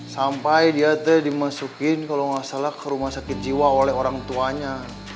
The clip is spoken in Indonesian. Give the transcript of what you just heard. sampai dia tuh dimasukin kalau nggak salah ke rumah sakit jiwa oleh orang tuanya